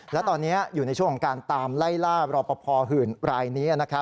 และตอนนี้อยู่ในช่วงของการตามไล่ล่ารอปภหื่นรายนี้